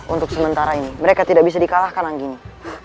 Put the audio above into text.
untuk sementara ini mereka tidak bisa di kalahkan anggini